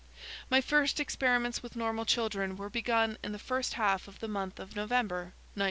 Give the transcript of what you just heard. My first experiments with normal children were begun in the first half of the month of November, 1907.